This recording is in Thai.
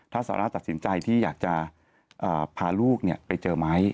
ถ้าซาร่าตัดสินใจที่อยากจะพาลูกไปเจอไหม